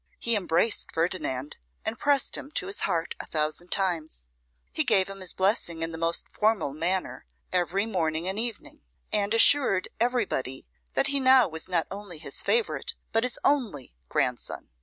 He embraced Ferdinand, and pressed him to his heart a thousand times; he gave him his blessing in the most formal manner every morning and evening; and assured everybody that he now was not only his favourite but his only grandson.